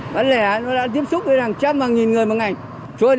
bạn lẻ nó đã tiếp xúc với hàng trăm và nghìn người bằng ảnh